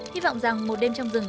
hy vọng rằng một đêm trong rừng